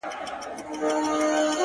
یوه ماشوم ویل بابا خان څه ګناه کړې وه؟!!